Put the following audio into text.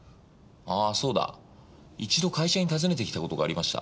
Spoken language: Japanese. ああそうだ一度会社に訪ねてきたことがありました。